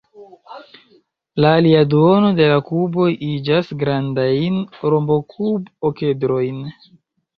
La alia duono de la kuboj iĝas grandajn rombokub-okedrojn.